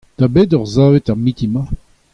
Da bet oc'h savet er mintin-mañ ?